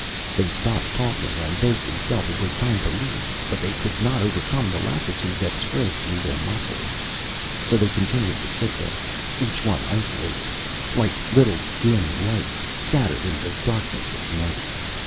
They stopped talking, and vaguely felt it was time to leave; but they could not overcome the lassitude that spread through their muscles. So they continued to sit there, each one isolated, like little dim lights scattered in the darkness of night.